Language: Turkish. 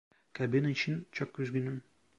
Kaybın için çok üzgünüm.